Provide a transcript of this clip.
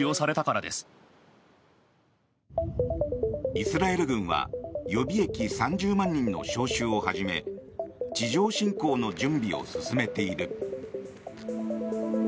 イスラエル軍は予備役３０万人の招集を始め地上侵攻の準備を進めている。